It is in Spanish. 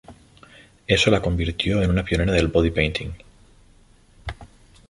Eso la convirtió en una pionera del Body painting.